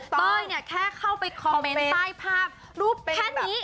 เต้ยเนี่ยแค่เข้าไปคอมเมนต์ใต้ภาพรูปแค่นี้